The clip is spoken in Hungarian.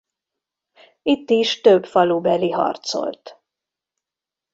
Itt is több falubeli harcolt.